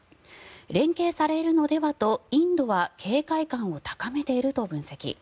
連携されるのではと、インドは警戒感を高めていると分析。